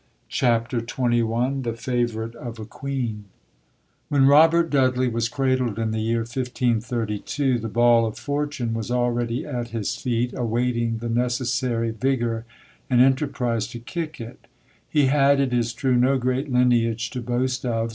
CHAPTER XXI THE FAVOURITE OF A QUEEN When Robert Dudley was cradled in the year 1532 the ball of Fortune was already at his feet, awaiting the necessary vigour and enterprise to kick it. He had, it is true, no great lineage to boast of.